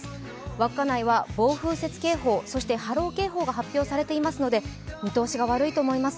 稚内は暴風雪警報、波浪警報が出ていますので見通しが悪いと思います。